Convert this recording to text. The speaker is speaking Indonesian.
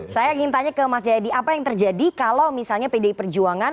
saya ingin tanya ke mas jayadi apa yang terjadi kalau misalnya pdi perjuangan